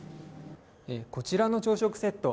こちらの朝食セット。